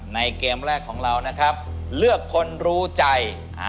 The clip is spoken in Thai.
เกมแรกของเรานะครับเลือกคนรู้ใจ